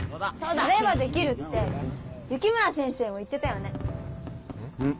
「やればできる」って雪村先生も言ってたよねん？